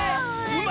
「うま」